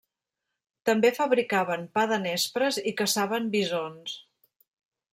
També fabricaven pa de nespres i caçaven bisons.